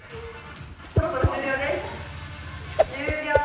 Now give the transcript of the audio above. そろそろ終了です終了！